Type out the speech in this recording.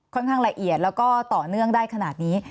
ข้างละเอียดแล้วก็ต่อเนื่องได้ขนาดนี้